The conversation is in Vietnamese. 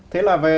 thế là về